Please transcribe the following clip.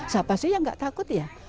saya pasti nggak takut ya